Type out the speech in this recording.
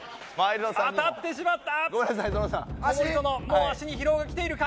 また当たってしまった。